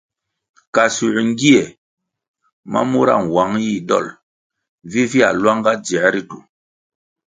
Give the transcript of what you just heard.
Kasuer ngie ma mura nwang yih dol vivia luanga dzier ritu.